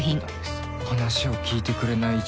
「話を聞いてくれない一族」